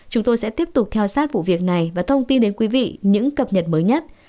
chúng tôi sẽ tiếp tục theo sát vụ việc này và thông tin đến quý vị những cập nhật mới nhất